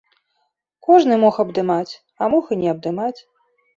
Кожны мог абдымаць, а мог і не абдымаць.